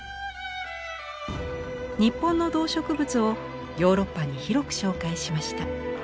日本の動植物をヨーロッパに広く紹介しました。